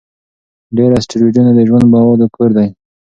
ډېر اسټروېډونه د ژوند د موادو کور دي.